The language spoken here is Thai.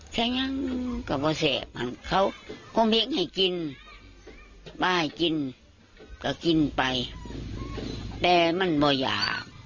แต่มันไม่อยาก